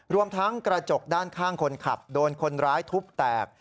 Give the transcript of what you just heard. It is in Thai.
รวมทั้งกระจกด้านข้างคนขับโดนคนร้ายทุบแตก